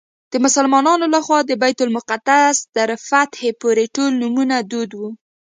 د مسلمانانو له خوا د بیت المقدس تر فتحې پورې ټول نومونه دود وو.